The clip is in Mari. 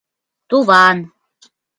— Туван!..